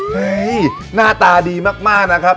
หน้าตาดีมากนะครับ